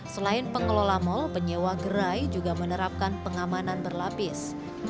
selain pengelola mall penyewa gerai juga menerapkan pengamanan berlapis